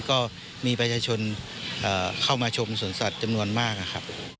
ก็มีประชาชนเข้ามาชมสวนสัตว์จำนวนมากนะครับ